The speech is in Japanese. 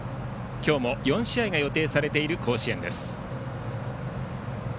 今日も４試合が予定されている甲子園です。